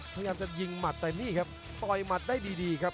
พยายามจะยิงหมัดแต่นี่ครับต่อยหมัดได้ดีครับ